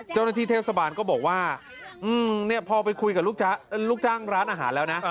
เจ้าหน้าที่เทศบาลก็บอกว่าพอไปคุยกับลูกจ้างร้านอาหารแล้วนะ